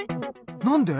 なんで？